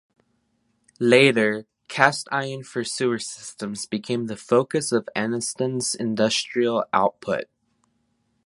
Later, cast iron for sewer systems became the focus of Anniston's industrial output.